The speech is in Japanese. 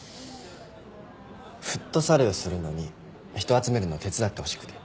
フットサルするのに人集めるの手伝ってほしくて。